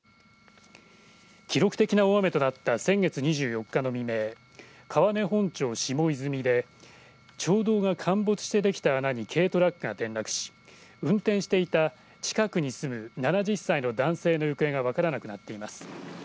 記録的な大雨となった先月２４日の未明川根本町下泉で町道が陥没してできた穴に軽トラックが転落死運転していた近くに住む７０歳の男性の行方が分からなくなっています。